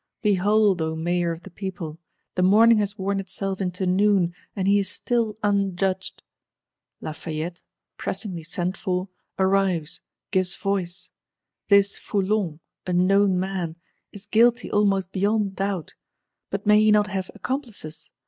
Behold, O Mayor of the People, the morning has worn itself into noon; and he is still unjudged!—Lafayette, pressingly sent for, arrives; gives voice: This Foulon, a known man, is guilty almost beyond doubt; but may he not have accomplices?